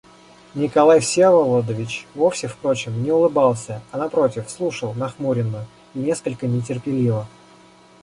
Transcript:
Николай Всеволодович вовсе, впрочем, не улыбался, а, напротив, слушал нахмуренно и несколько нетерпеливо.